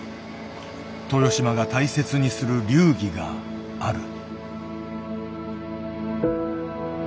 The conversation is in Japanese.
豊島が大切にする流儀がある。